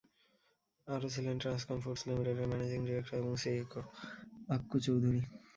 আরও ছিলেন ট্রান্সকম ফুডস লিমিটেডের ম্যানেজিং ডিরেক্টর এবং সিইও আক্কু চৌধুরী।